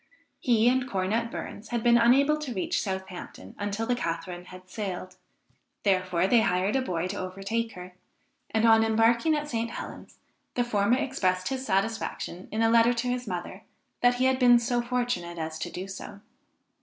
He and Cornet Burns had been unable to reach Southampton until the Catharine had sailed, therefore they hired a boy to overtake her, and on embarking at St. Helens the former expressed his satisfaction, in a letter to his mother, that he had been so fortunate as to do so.